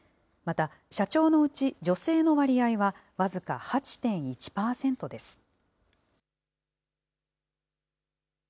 また社長のうち女性の割合は僅か８．１％です。